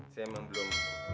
saya emang belum